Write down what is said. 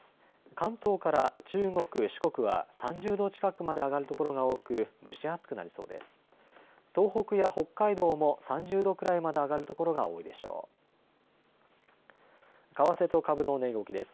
関東から中国、四国は３０度近くまで上がる所が多く蒸し暑くなりそうです。